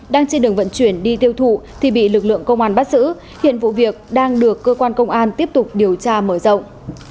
đang trên đường vận chuyển đi tiêu thụ thì bị lực lượng công an bắt giữ hiện vụ việc đang được cơ quan công an tiếp tục điều tra mở rộng